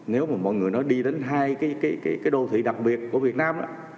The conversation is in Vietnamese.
nếu mà mọi người nói đi đến hai cái đô thị đặc biệt của việt nam đó